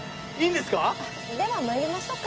ではまいりましょうか。